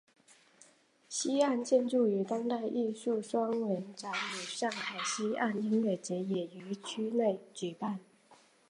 西岸建筑与当代艺术双年展与上海西岸音乐节也于区内举办。